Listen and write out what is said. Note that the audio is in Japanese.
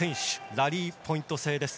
ラリーポイント制です。